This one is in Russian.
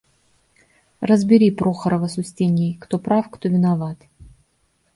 – Разбери Прохорова с Устиньей, кто прав, кто виноват.